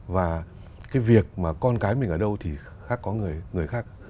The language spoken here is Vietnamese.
và cái việc mà con cái mình ở đâu thì khác có người khác